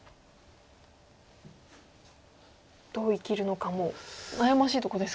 どう生きるのかも悩ましいとこですか。